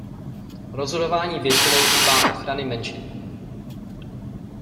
Rozhodování většiny dbá ochrany menšin.